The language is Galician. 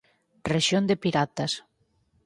Rexión de piratas.